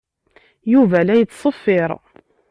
Yuba la yettṣeffir.